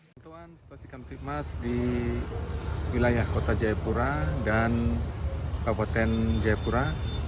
situasi kabupaten humas di wilayah kota jayapura dan kabupaten jayapura